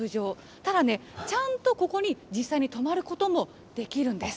ただね、ちゃんとここに実際に泊まることもできるんです。